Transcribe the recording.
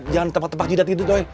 jangan tepak tepak jidat gitu doi